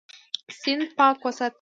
سیند پاک وساتئ.